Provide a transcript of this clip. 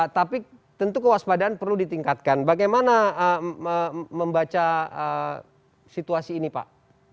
tapi tentu kewaspadaan perlu ditingkatkan bagaimana membaca situasi ini pak